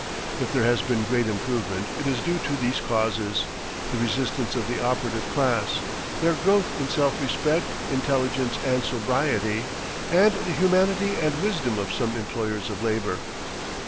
If there has been great improvement, it is due to these causes: The resistance of the operative class; their growth in self respect, intelligence, and sobriety; and the humanity and wisdom of some employers of labor.